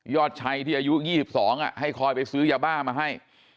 ชัยที่อายุ๒๒ให้คอยไปซื้อยาบ้ามาให้